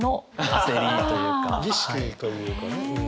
儀式というかねうん。